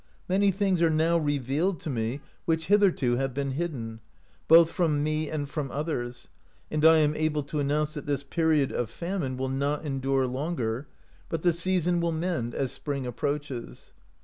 Many things are now revealed to me which 38 PROPHESy OF A SORCERESS hitherto have been hidden, both from me and from others. And I am able to announce that this period of famine will not endure longer, but the season will mend as spring approaches.